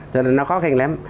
cho nên nó khó khăn lắm